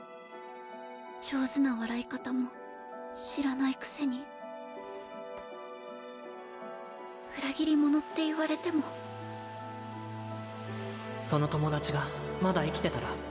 上手な笑い方も知らないくせに裏切り者って言われてもその友達がまだ生きてたら